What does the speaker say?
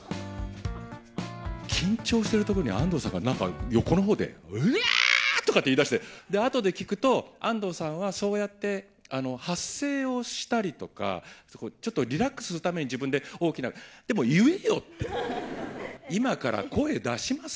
緊張してるところで安藤さんがなんか、横のほうで、あーーとかって言いだして、あとで聞くと、安藤さんはそうやって発声をしたりとか、ちょっとリラックスするために、自分で大きな、でも言えよって、今から声出します